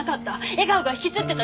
笑顔が引きつってた。